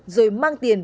rồi mang tiền